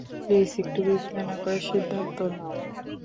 Please একটু বিবেচনা করে সিদ্ধান্ত নাও।